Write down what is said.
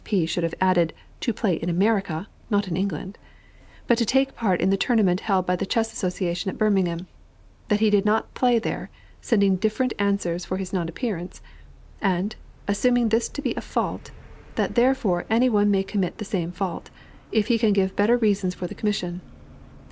P. should have added, "to play in America," not in England), but to take part in the tournament held by the Chess Association at Birmingham; that he did not play there, sending different answers for his non appearance; and, assuming this to be a fault, that therefore any one may commit the same fault, if he can give better reasons for the commission.